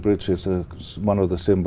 việc tự nhiên